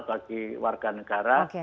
bagi warga negara